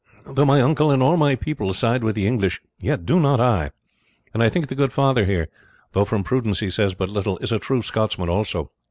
Though my uncle and all my people side with the English, yet do not I; and I think the good father here, though from prudence he says but little, is a true Scotsman also.